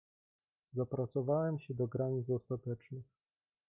"Zapracowałem się do granic ostatecznych."